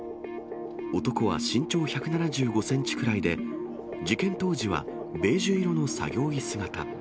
男は身長１７５センチくらいで、事件当時はベージュ色の作業着姿。